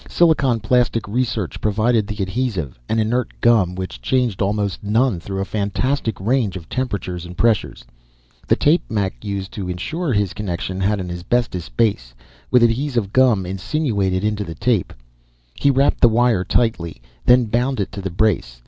Silicon plastic research provided the adhesive, an inert gum which changed almost none through a fantastic range of temperatures and pressures. The tape Mac used to insure his connection had an asbestos base, with adhesive gum insinuated into the tape. He wrapped the wire tightly, then bound it to the brace.